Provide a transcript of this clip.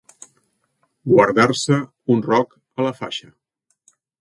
Guardar-se un roc a la faixa.